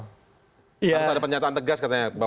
harus ada pernyataan tegas katanya